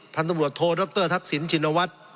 ท่านตำรวจโทรดรทักษินชินวัต